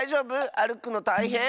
あるくのたいへん？